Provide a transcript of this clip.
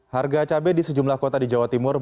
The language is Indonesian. harga cabai di sejumlah kota di jawa timur